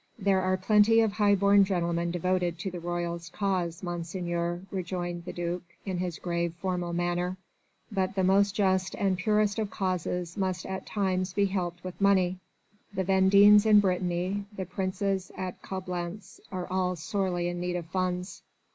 "There are plenty of high born gentlemen devoted to the royalist cause, Monseigneur," rejoined the duc in his grave, formal manner. "But the most just and purest of causes must at times be helped with money. The Vendéens in Brittany, the Princes at Coblentz are all sorely in need of funds...."